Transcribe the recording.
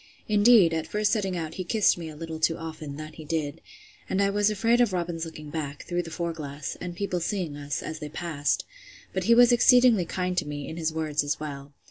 Indeed, at first setting out he kissed me a little too often, that he did; and I was afraid of Robin's looking back, through the fore glass, and people seeing us, as they passed; but he was exceedingly kind to me, in his words, as well.